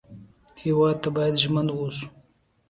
هېواد ته باید ژمن و اوسو